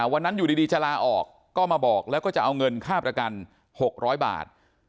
วันนั้นอยู่ดีจะลาออกก็มาบอกแล้วก็จะเอาเงินค่าประกัน๖๐๐บาท